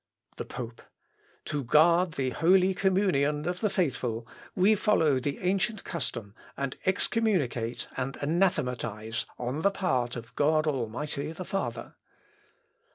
The Pope. "To guard the holy communion of the faithful, we follow the ancient custom, and excommunicate and anathematise on the part of God Almighty the Father."